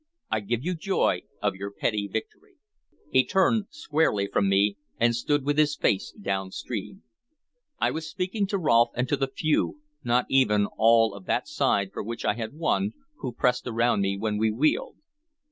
I give you joy of your petty victory." He turned squarely from me, and stood with his face downstream. I was speaking to Rolfe and to the few not even all of that side for which I had won who pressed around me, when he wheeled.